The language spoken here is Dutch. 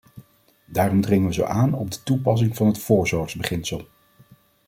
Daarom dringen we zo aan op de toepassing van het voorzorgsbeginsel.